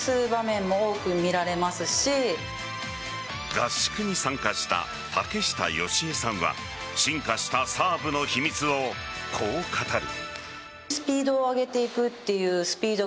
合宿に参加した竹下佳江さんは進化したサーブの秘密をこう語る。